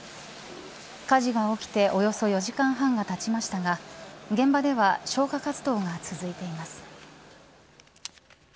火事が起きておよそ４時間半がたちましたが現場では消火活動が続いています。